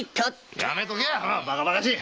やめとけバカバカしい！